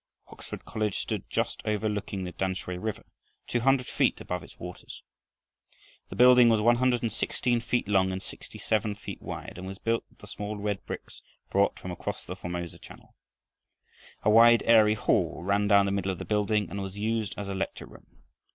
Oxford College stood just overlooking the Tamsui river, two hundred feet above its waters. The building was 116 feet long and 67 feet wide, and was built of small red bricks brought from across the Formosa Channel. A wide, airy hall ran down the middle of the building, and was used as a lecture room.